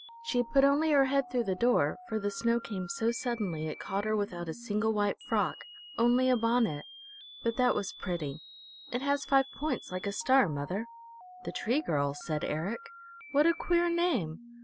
She put only her head through the door, for the snow came so suddenly it caught her without a single white frock, only a bonnet. But that was pretty. It has five points like a star, mother." "The Tree Girl," said Eric. "What a queer name!